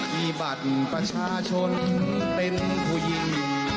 มีบัตรประชาชนเป็นผู้หญิง